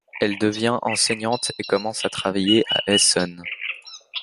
Elle devient enseignante et commence à travailler à Essen.